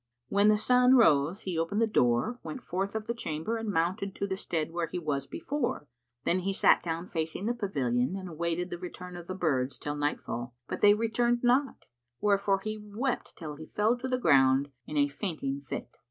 When the sun rose he opened the door, went forth of the chamber and mounted to the stead where he was before: then he sat down facing the pavilion and awaited the return of the birds till nightfall; but they returned not; wherefore he wept till he fell to the ground in a fainting fit.